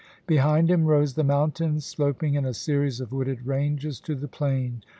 Behind him rose the mountains, sloping in a series of wooded ranges to the plain.